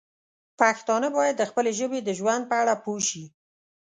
پښتانه باید د خپلې ژبې د ژوند په اړه پوه شي.